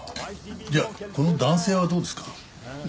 じゃあこの男性はどうですか？